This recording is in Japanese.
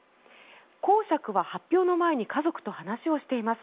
公爵は発表の前に家族と話をしています。